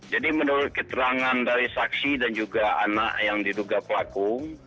jadi menurut keterangan dari saksi dan juga anak yang diduga pelaku